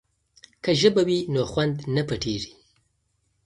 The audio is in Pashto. که ژبه وي نو خوند نه پټیږي.